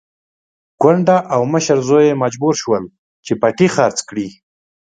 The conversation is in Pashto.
کونډه او مشر زوی يې مجبور شول چې پټی خرڅ کړي.